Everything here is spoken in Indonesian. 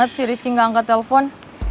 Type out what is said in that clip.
kenapa si rizky gak angkat telepon